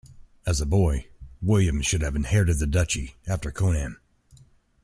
As a boy, William should have inherited the duchy after Conan.